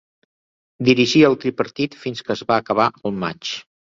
Dirigia el tripartit fins que es va acabar el matx.